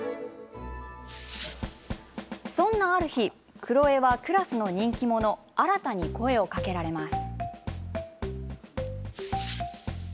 そんなある日、クロエはクラスの人気者新汰に声をかけられます。